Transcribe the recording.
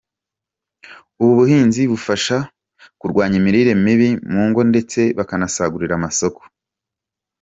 Ubu buhinzi bufasha kurwanya imirire mibi mu ngo ndetse bakanasagurira amasoko.